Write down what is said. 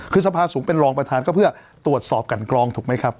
คือสภาสูงเป็นรองประธานก็เพื่อตรวจสอบกันกรองถูกไหมครับ